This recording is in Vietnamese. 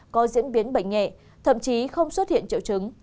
có diễn biến bệnh nhẹ thậm chí không xuất hiện triệu chứng